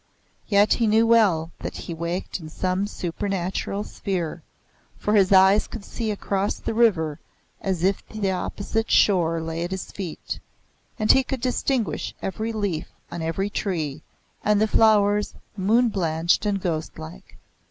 Yet he knew well that he waked in some supernatural sphere: for his eyes could see across the river as if the opposite shore lay at his feet; and he could distinguish every leaf on every tree, and the flowers moon blanched and ghost like.